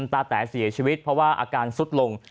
ตาแต๋เสียชีวิตเพราะว่าอาการสุดลง